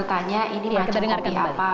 saya tidak bertanya ini macam apa